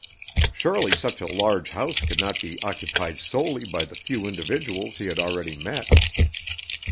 Surely such a large house could not be occupied solely by the few individuals he had already met.